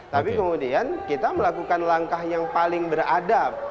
tapi kemudian kita melakukan langkah yang paling beradab